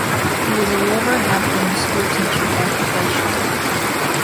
He was a Wolverhampton school teacher by profession.